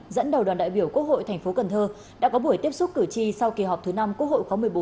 dẫn đầu đoàn đại biểu quốc hội tp cn đã có buổi tiếp xúc cử tri sau kỳ họp thứ năm quốc hội khóa một mươi bốn